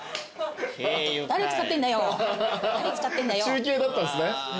中継だったんすね。